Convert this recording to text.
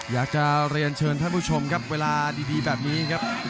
อยากจะเรียนเชิญท่านผู้ชมครับเวลาดีแบบนี้ครับ